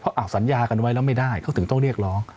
สัญญากันไว้แล้วไม่ได้เขาถึงต้องเรียกร้อง